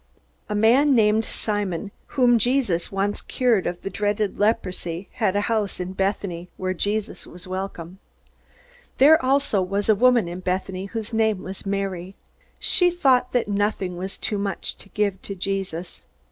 A man named Simon, whom Jesus once cured of the dreaded leprosy, had a house in Bethany where Jesus was welcome. There also was a woman in Bethany whose name was Mary. She thought that nothing was too much to give to Jesus.